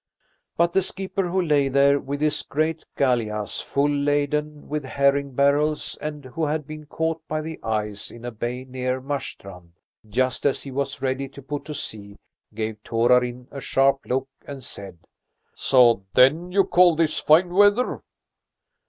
But the skipper, who lay there with his great gallias full laden with herring barrels, and who had been caught by the ice in a bay near Marstrand just as he was ready to put to sea, gave Torarin a sharp look and said: "So then you call this fine weather?"